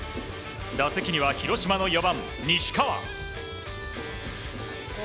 打席には広島の４番、西川。